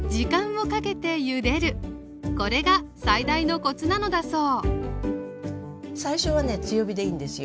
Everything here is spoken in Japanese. これが最大のコツなのだそう